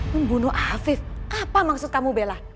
membunuh afif apa maksud kamu bella